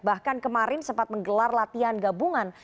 bahkan kemarin sempat menggelar latihan gabungan